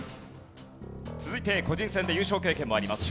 続いて個人戦で優勝経験もあります